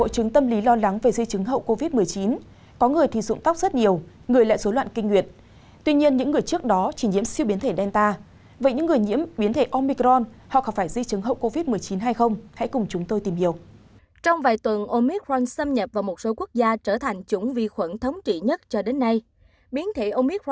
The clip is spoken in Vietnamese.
các bạn hãy đăng ký kênh để ủng hộ kênh của chúng mình nhé